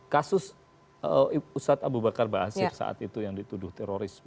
kasus ustadz abu bakar basir saat itu yang dituduh terorisme